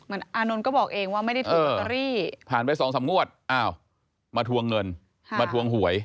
อานนท์ก็บอกเองว่าไม่ได้ถูกลอตเตอรี่ผ่านไป๒๓งวดอ้าวมาทวงเงินมาทวงหวย